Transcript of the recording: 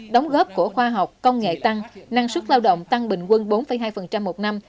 đóng góp của khoa học công nghệ tăng năng suất lao động tăng bình quân bốn hai một năm